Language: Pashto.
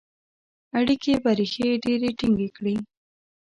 اړیکي به ریښې ډیري ټینګي کړي.